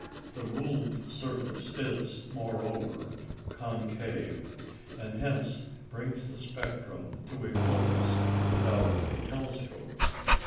The ruled surface is, moreover, concave, and hence brings the spectrum to a focus without a telescope.